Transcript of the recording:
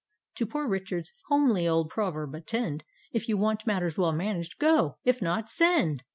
To " Poor Richard's " homely old proverb attend, " If you want matters well managed, Go! — if not, Send!"